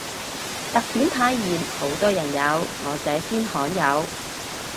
特典泰妍好多人有，我姐先罕有